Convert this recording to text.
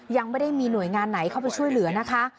ยังไม่ได้มีหน่วยงานไหนเข้าไปช่วยเหลือนะคะ